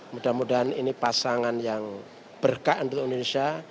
mudah mudahan ini pasangan yang berkah untuk indonesia